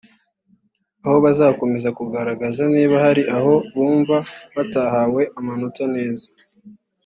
aho bazakomeza kugaragaza niba hari aho bumva batahawe amanota neza